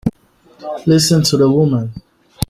Listen to the woman!